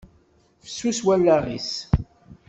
Fessus wallaɣ-is.